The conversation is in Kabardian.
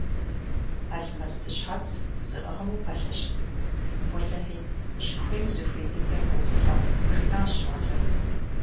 Алмэсты щхьэц зыӀыгъым упэлъэщын, – уэлэхьи, щыхуейм зыхуей дыдэр къохъулӀэм, – жиӀащ щӀалэм.